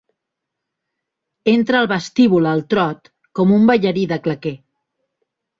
Entra al vestíbul al trot, com un ballarí de claqué.